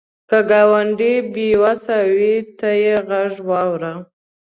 که ګاونډی بې وسه وي، ته یې غږ واوره